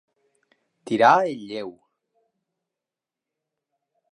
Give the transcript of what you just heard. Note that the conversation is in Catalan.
Tirar el lleu.